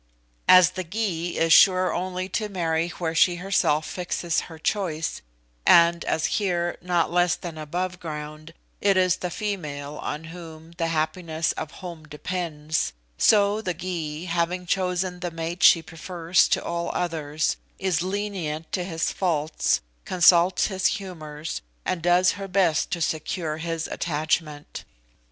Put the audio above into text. As the Gy is sure only to marry where she herself fixes her choice, and as here, not less than above ground, it is the female on whom the happiness of home depends; so the Gy, having chosen the mate she prefers to all others, is lenient to his faults, consults his humours, and does her best to secure his attachment.